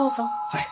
はい。